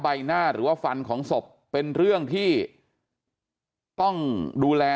ใบหน้าหรือว่าฟันของศพเป็นเรื่องที่ต้องดูแล